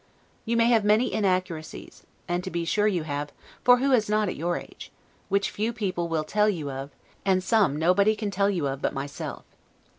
You may have many inaccuracies (and to be sure you have, for who has not at your age?) which few people will tell you of, and some nobody can tell you of but myself.